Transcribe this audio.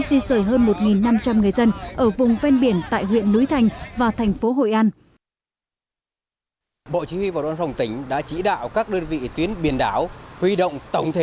di sời hợp